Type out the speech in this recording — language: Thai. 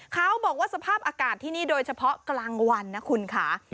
เขาบอกว่าสภาพอากาศที่นี่โดยเฉพาะกลางวันนะคุณค่ะ